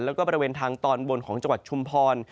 แล้วก็บริเวณทางตอนบนของจังหวัดชุมพร